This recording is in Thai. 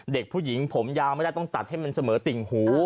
เด็กผู้หญิงผมยาวไม่ได้ต้องตัดให้มันเสมอติ่งหู